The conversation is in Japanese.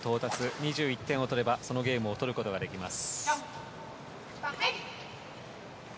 ２１点を取れば、そのゲームを取ることができます。